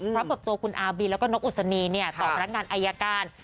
พระบบตัวคุณอาร์บีและก็นกอุศนีเนี่ยต่อรักงานอายการ